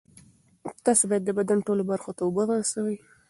تاسو باید د بدن ټولو برخو ته اوبه ورسوي.